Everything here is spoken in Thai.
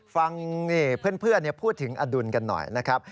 ฟังเพื่อนพูดถึงอดุลกันหน่อยนะครับ